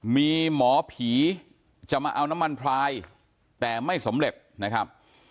มีหมอผีจะมาเอาน้ำมันพลายแต่ไม่สำเร็จนะครับ